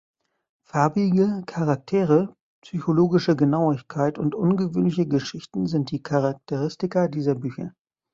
Farbige Charaktere, psychologische Genauigkeit und ungewöhnliche Geschichten sind die Charakteristika dieser Bücher.